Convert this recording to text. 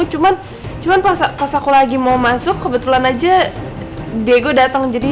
cuma pas aku lagi mau masuk kebetulan aja diego datang